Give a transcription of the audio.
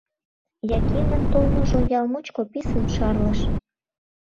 Якимын толмыжо ял мучко писын шарлыш.